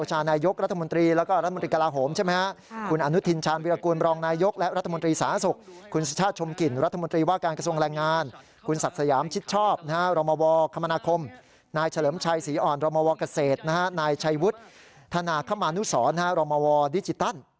จัณห์โชว์ชาญนายยกรัฐมนตรี